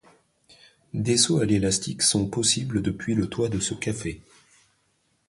Des sauts à l'élastique sont possibles depuis le toit de ce café.